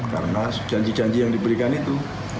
karena janji janji yang diberikan itu